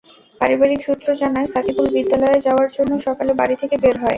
পারিবারিক সূত্র জানায়, সাকিবুল বিদ্যালয়ে যাওয়ার জন্য সকালে বাড়ি থেকে বের হয়।